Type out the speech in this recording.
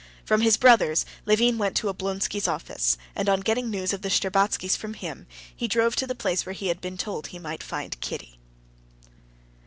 From his brother's Levin went to Oblonsky's office, and on getting news of the Shtcherbatskys from him, he drove to the place where he had been told he might find Kitty.